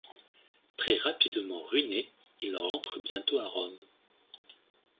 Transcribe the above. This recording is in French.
Très rapidement ruiné, il rentre bientôt à Rome.